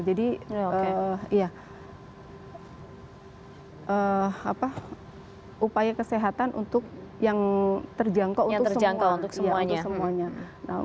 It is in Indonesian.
jadi upaya kesehatan untuk yang terjangkau untuk semuanya